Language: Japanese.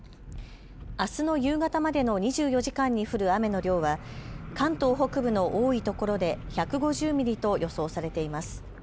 あすの夕方までの２４時間に降る雨の量は関東北部の多いところで１５０ミリと予想されています。